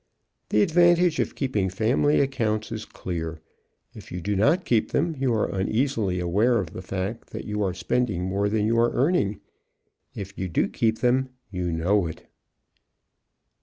The advantage of keeping family accounts is clear. If you do not keep them you are uneasily aware of the fact that you are spending more than you are earning. If you do keep them, you know it.